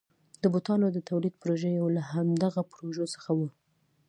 د بوټانو د تولید پروژه یو له همدغو پروژو څخه وه.